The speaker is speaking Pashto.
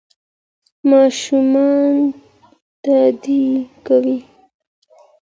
ماشومان تادي کوي.